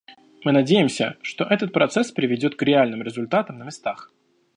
Мы надеемся, что этот процесс приведет к реальным результатам на местах.